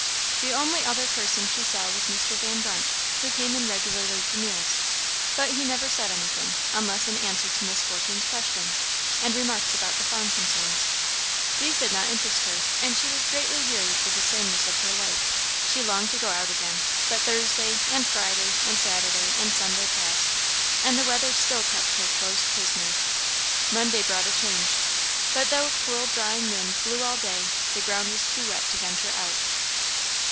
The only other person she saw was Mr. Van Brunt, who came in regularly to meals; but he never said anything, unless in answer to Miss Fortune's questions, and remarks about the farm concerns. These did not interest her, and she was greatly wearied with the sameness of her life. She longed to go out again; but Thursday, and Friday, and Saturday, and Sunday passed, and the weather still kept her close prisoner. Monday brought a change, but though a cool drying wind blew all day, the ground was too wet to venture out.